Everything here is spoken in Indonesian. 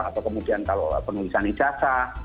atau kemudian kalau penulisan ijazah